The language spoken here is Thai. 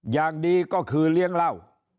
อย่างดีก็คือเลี้ยงเหล้า